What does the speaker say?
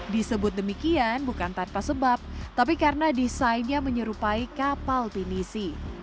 disebut demikian bukan tanpa sebab tapi karena desainnya menyerupai kapal pinisi